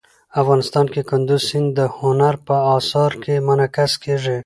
افغانستان کې کندز سیند د هنر په اثار کې منعکس کېږي.